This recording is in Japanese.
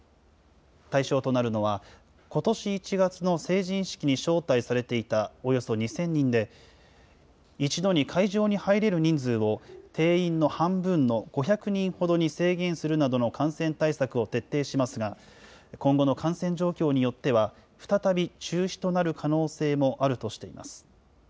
対象となるのは、ことし１月の成人式に招待されていたおよそ２０００人で、一度に会場に入れる人数を、定員の半分の５００人ほどに制限するなどの感染対策を徹底しますが、今後の感染状況によっては、再び中止となる可能性もあるとしています。